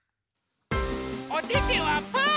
おててはパー。